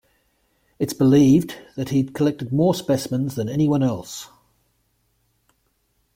It is believed that he had collected more specimens than anyone else.